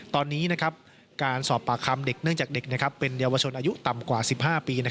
ตอนนี้การสอบปากคำเด็กเนื่องจากเด็กเป็นเยาวชนอายุต่ำกว่า๑๕ปี